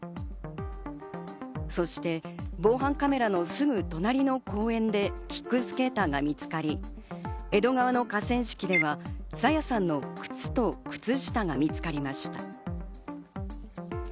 そして防犯カメラのすぐ隣の公園でキックスケーターが見つかり、江戸川の河川敷では朝芽さんの靴と靴下が見つかりました。